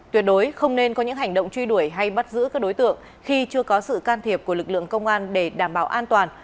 tuyệt đối không nên có những hành động truy đuổi hay bắt giữ các đối tượng khi chưa có sự can thiệp của lực lượng công an để đảm bảo an toàn